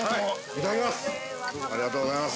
◆いただきます。